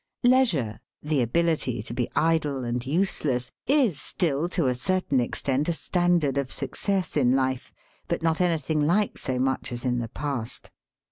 Leisure, the ability to be idle and useless, is still to a certain extent a standard of success in life, but not anything like so much as in the past.